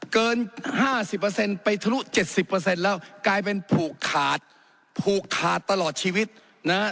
เกิน๕๐ไปทะลุ๗๐แล้วกลายเป็นผูกขาดผูกขาดตลอดชีวิตนะฮะ